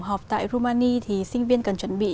học tại kumani thì sinh viên cần chuẩn bị